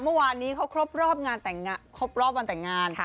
เมื่อวานนี้เขาครบรอบวันแต่งงาน